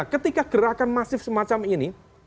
ketika gerakan masif semacam ini